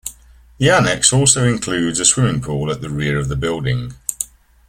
The annexe also includes a swimming pool at the rear of the building.